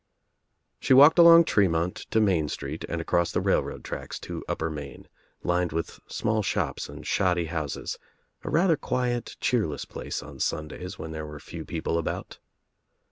She walked along Tremont to Main Street and across the railroad tracks to Upper Main, lined with small shops and shoddy houses, a rather quiet cheerless place on Sundays when there were few people about.